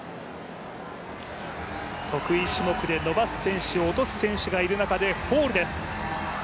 得意種目で落とす選手、伸ばす選手がいる中で、ホールです。